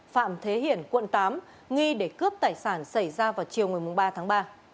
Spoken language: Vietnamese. phạm thế hiển quận tám nghi để cướp tài sản xảy ra vào chiều một mươi ba tháng ba